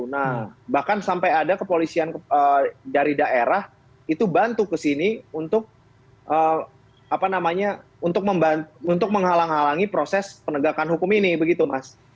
nah bahkan sampai ada kepolisian dari daerah itu bantu ke sini untuk menghalang halangi proses penegakan hukum ini begitu mas